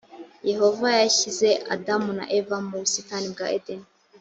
yehova yashyize adamu na eva mu busitani bwa edeni